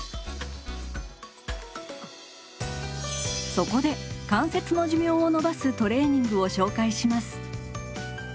そこで関節の寿命を延ばすトレーニングを紹介します。